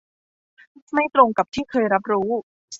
ไม่ตรงกับที่เคยรับรู้